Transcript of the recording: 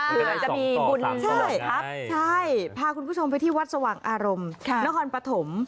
เผื่อจะมีบุญช่วยครับใช่พาคุณผู้ชมไปที่วัดสว่างอารมณ์นครปฐม